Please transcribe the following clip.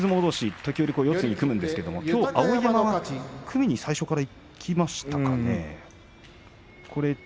時折四つに組むんですがきょう碧山は組みに最初からいきましたか？